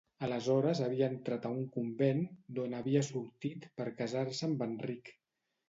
Aleshores havia entrat a un convent, d'on havia sortit per casar-se amb Enric.